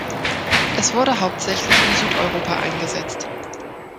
Es wurde hauptsächlich in Südeuropa eingesetzt.